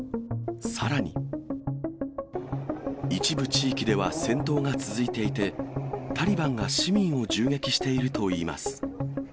さらに、一部地域では戦闘が続いていて、タリバンが市民を銃撃しているといいます。